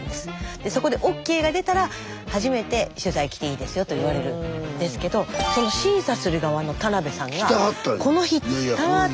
でそこでＯＫが出たら初めて取材来ていいですよと言われるんですけどその審査する側の田辺さんが。来てはったんや。